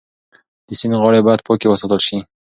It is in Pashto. د سیند غاړې باید پاکې وساتل شي.